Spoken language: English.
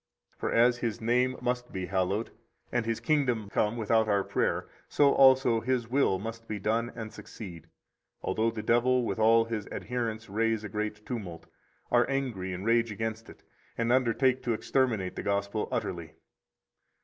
For as His name must be hallowed and His kingdom come without our prayer, so also His will must be done and succeed, although the devil with all his adherents raise a great tumult, are angry and rage against it, and undertake to exterminate the Gospel utterly.